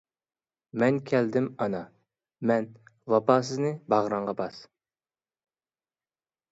مەن كەلدىم ئانا، مەن ۋاپاسىزنى باغرىڭغا باس!